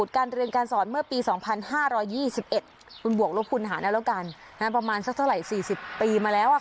การเรียนการสอนเมื่อปีสองพันห้าร้อยยี่สิบเอ็ดถูกปวงรวบคุณหาแล้วกันนะประมาณสักเท่าไรสี่สิบปีมาแล้วอ่ะค่ะ